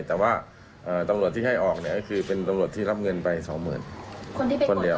แต่ว่าตำรวจที่ให้ออกเนี่ยก็คือเป็นตำรวจที่รับเงินไป๒๐๐๐คนเดียว